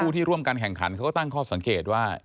ที่ร่วมการแข่งขันเขาก็ตั้งข้อสังเกตว่า